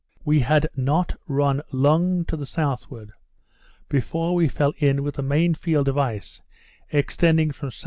We had not run long to the southward before we fell in with the main field of ice extending from S.S.